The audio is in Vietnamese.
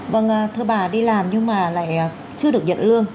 vâng thưa bà đi làm nhưng mà lại chưa được nhận lương